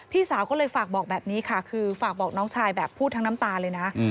พี่สาวก็เลยฝากบอกแบบนี้ค่ะคือฝากบอกน้องชายแบบพูดทั้งน้ำตาเลยนะ